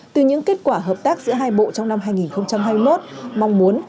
từ những kết quả hợp tác giữa hai bộ trong năm hai nghìn hai mươi một mong muốn